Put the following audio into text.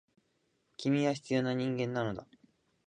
君は必要な人間なのだ。